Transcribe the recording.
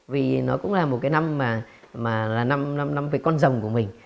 vì nó cũng là một cái năm về con rồng của mình